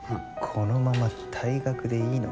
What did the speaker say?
このまま退学でいいのか？